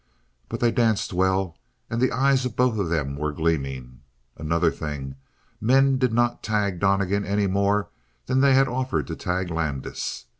But they danced well; and the eyes of both of them were gleaming. Another thing: men did not tag Donnegan any more than they had offered to tag Landis.